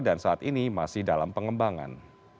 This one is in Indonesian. dan saat ini masih dalam pengembangan